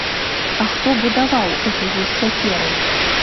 А хто будаваў гэтай вось сякерай?